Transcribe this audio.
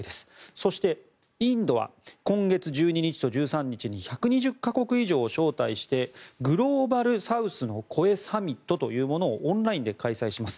そしてインドは今月１２日と１３日に１２０か国以上を招待してグローバルサウスの声サミットというものをオンラインで開催します。